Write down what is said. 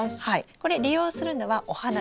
これ利用するのはお花です